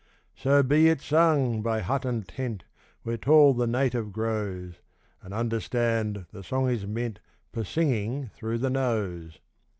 So be it sung, by hut and tent, Where tall the native grows; And understand, the song is meant For singing through the nose.